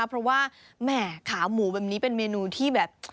เพราะว่าแหม่ขาหมูแบบนี้เป็นเมนูที่แบบ